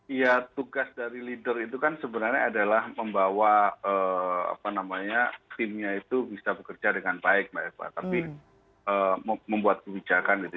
iya tugas dari leader itu kan sebenarnya adalah membawa apa namanya timnya itu bisa bekerja dengan baik mbak eva tapi membuat kebijakan gitu